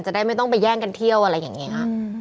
ได้ไม่ต้องไปแย่งกันเที่ยวอะไรอย่างนี้